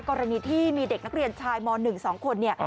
กรณีที่มีเด็กนักเรียนชายม๑๒คนเนี่ย